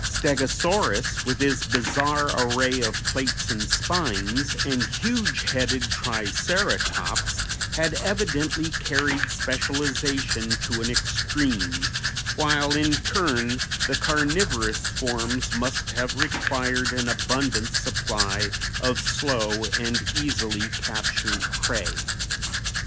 Stegosaurus, with his bizarre array of plates and spines, and huge headed Triceratops, had evidently carried specialization to an extreme, while in turn the carnivorous forms must have required an abundant supply of slow and easily captured prey.